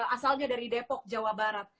asalnya dari depok jawa barat